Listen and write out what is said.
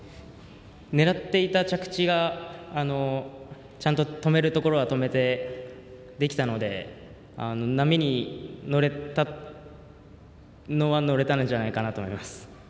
狙っていた着地がちゃんと止めるところは止めてできたので波に乗れたのは乗れたんじゃないかなと思います。